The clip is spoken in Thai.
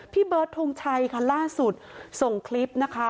พี่เบิร์ดธงไช๋ค่ะร่าสุดส่งคลิป